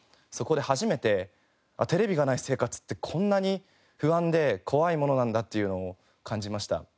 そこで初めてテレビがない生活ってこんなに不安で怖いものなんだっていうのを感じました。